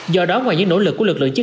do đó ngoài những nỗ lực của lực lượng